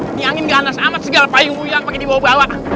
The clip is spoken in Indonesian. ini angin ganas amat segala payung yang pakai di bawah bawah